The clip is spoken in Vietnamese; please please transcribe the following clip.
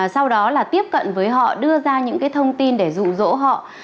sau đó là tiếp cận với họ đưa ra những thông tin để dụ dỗ họ